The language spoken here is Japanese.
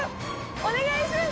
お願いします